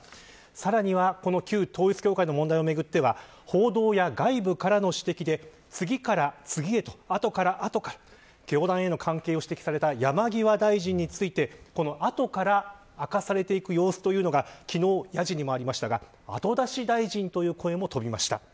さらには、旧統一教会の問題をめぐっては報道や外部からの指摘で次から次へと、後から後から教団への関係を指摘された山際大臣について後から明かされていく様子というのが、昨日やじにもありましたが後出し大臣という声も飛びました。